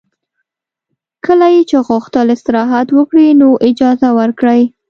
کله یې چې غوښتل استراحت وکړي نو اجازه ورکړئ